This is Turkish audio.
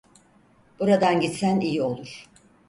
Buradan gitsen iyi olur.